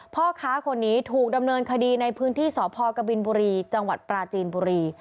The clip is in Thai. พ่อค้าคนนี้ถูกดำเนินคดีในพื้นที่สพกบินบุรีจังหวัดปราจีนบุรี